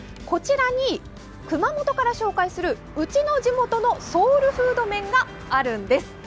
こちらに、熊本から紹介するうちの地元のソウルフード麺があるんです。